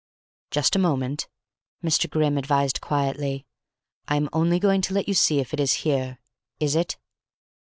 "Just a moment," Mr. Grimm advised quietly. "I'm only going to let you see if it is here. Is it?"